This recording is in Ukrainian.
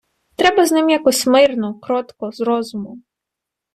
Треба з ним якось мирно, кротко, з розумом...